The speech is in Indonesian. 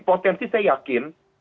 potensi saya yakin